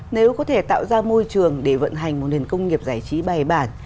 nếu có thể tạo ra môi trường để vận hành một nền công nghiệp giải trí bài bản